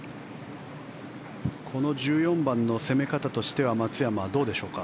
この１４番の攻め方としては松山はどうでしょうか。